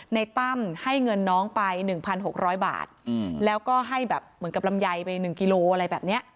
ในตั้มให้เงินน้องไปหนึ่งพันหกร้อยบาทอืมแล้วก็ให้แบบเหมือนกับลำยัยไปหนึ่งกิโลอะไรแบบเนี้ย